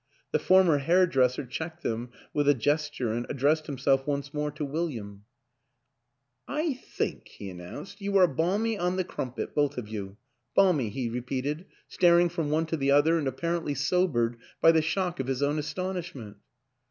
The former hairdresser checked them with a gesture and addressed himself once more to William. WILLIAM AN ENGLISHMAN 89 " I think," he announced, " you are balmy on the crumpet, both of you. Balmy," he repeated, staring from one to the other and apparently sobered by the shock of his own astonishment.